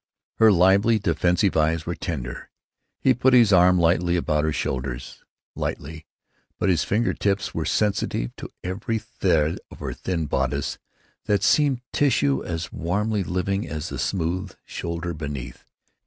Her lively, defensive eyes were tender. He put his arm lightly about her shoulders—lightly, but his finger tips were sensitive to every thread of her thin bodice that seemed tissue as warmly living as the smooth shoulder beneath.